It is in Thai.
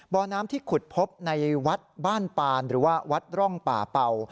บ่อน้ำที่ขุดพบในวัดบ้านปานหรือว่าวัดร่องป่าเป่า